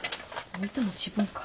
置いたの自分か。